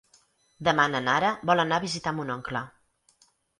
Demà na Nara vol anar a visitar mon oncle.